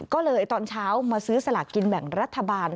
ก็เลยตอนเช้ามาซื้อสลากกินแบ่งรัฐบาล